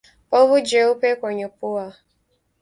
Povu jeupe kwenye pua